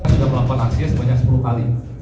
sudah melakukan aksinya sebanyak sepuluh kali